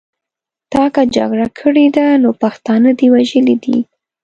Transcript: تا که جګړه کړې ده نو پښتانه دې وژلي دي.